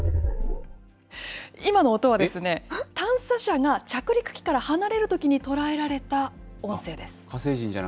今の音はですね、探査車が着陸機から離れるときに捉えられた音声です。